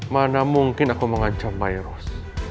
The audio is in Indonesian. mana mungkin aku mengancam myros